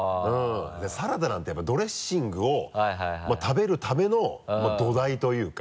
サラダなんてやっぱドレッシングを食べるための土台というか。